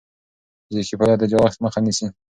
فزیکي فعالیت د چاغښت مخه نیسي.